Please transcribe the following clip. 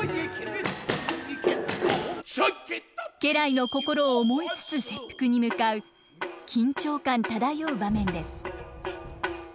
家来の心を思いつつ切腹に向かう緊張感漂う場面です。